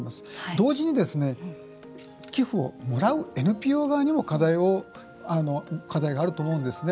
同時に寄付をもらうＮＰＯ側にも課題があると思うんですね。